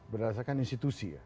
berdasarkan institusi ya